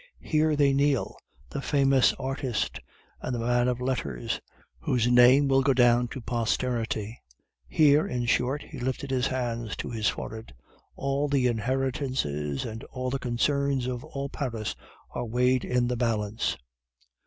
Here they kneel the famous artist, and the man of letters, whose name will go down to posterity. Here, in short' (he lifted his hand to his forehead), 'all the inheritances and all the concerns of all Paris are weighed in the balance.